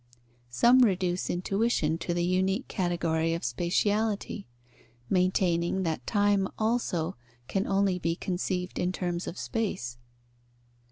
Some reduce intuition to the unique category of spatiality, maintaining that time also can only be conceived in terms of space.